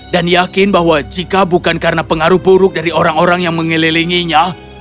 dan yakin bahwa jika bukan karena pengaruh buruk dari orang orang yang mengelilinginya